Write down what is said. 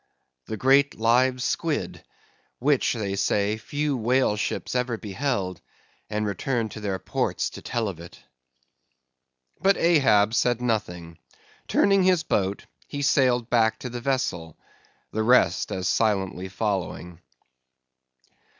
"The great live squid, which, they say, few whale ships ever beheld, and returned to their ports to tell of it." But Ahab said nothing; turning his boat, he sailed back to the vessel; the rest as silently following.